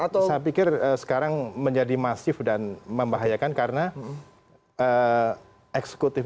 saya pikir sekarang menjadi masif dan membahayakan karena eksekutif